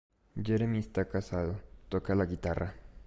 Jeremy está casado, toca la guitarra.